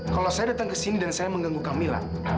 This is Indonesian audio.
kalau saya datang ke sini dan saya mengganggu kamila